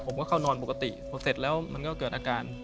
ผมก็เขานอนปกติเสร็จแล้วมันเกิดอาการ